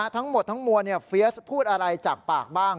ทั้งหมดทั้งมวลเฟียสพูดอะไรจากปากบ้าง